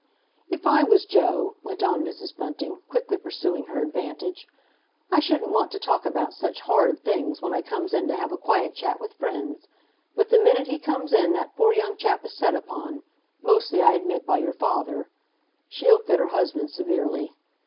"If I was Joe," went on Mrs. Bunting, quickly pursuing her advantage, "I shouldn't want to talk about such horrid things when I comes in to have a quiet chat with friends. But the minute he comes in that poor young chap is set upon—mostly, I admit, by your father," she looked at her husband severely.